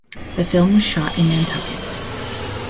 The film was shot in Nantucket.